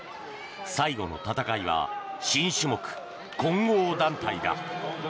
最後の戦いは新種目、混合団体だ。